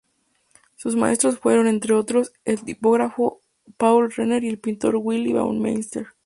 Sus maestros fueron, entre otros, el tipógrafo Paul Renner y el pintor Willi Baumeister.